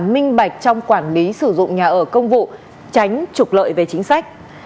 minh bạch trong quản lý sử dụng nhà ở công vụ tránh trục lợi về chính sách